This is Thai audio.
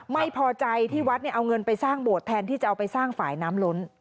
ไม่พอใจที่วัดเอาเงินไปสร้างโบสถแทนที่จะเอาไปสร้างฝ่ายน้ำล้น